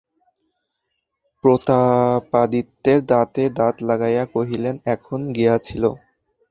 প্রতাপাদিত্য দাঁতে দাঁত লাগাইয়া কহিলেন, কখন গিয়াছিল?